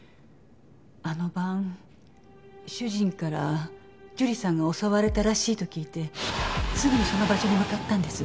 あの晩主人から樹里さんが襲われたらしいと聞いてすぐにその場所に向かったんです。